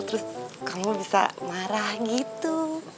terus kamu bisa marah gitu